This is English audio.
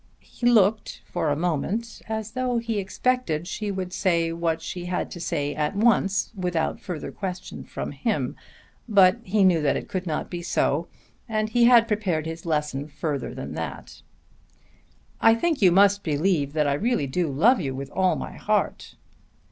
He looked for a moment as though he expected she would say what she had to say at once, without further question from him; but he knew that it could not be so and he had prepared his lesson further than that. "I think you must believe that I really do love you with all my heart."